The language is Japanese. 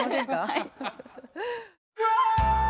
はい。